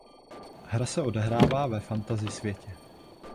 Hra se odehrává ve fantasy světě.